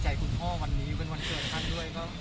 เป็นวันเกิดขั้นด้วย